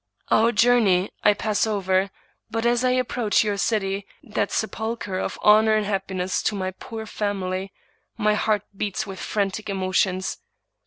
" Our journey I pass over; but as I approach your city, that sepulcher of honor and happiness to my poor family,, my heart beats with frantic emotions.